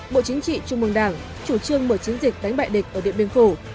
bộ chính trị trung mương đảng chủ trương mở chiến dịch đánh bại địch ở điện biên phủ